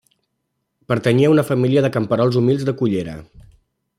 Pertanyia a una família de camperols humils de Cullera.